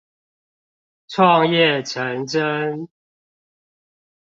創業成真